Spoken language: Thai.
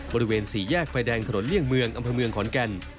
บริเวณสี่แยกไฟแดงถนนเลี่ยงเมืองอำเภอเมืองขอนแก่น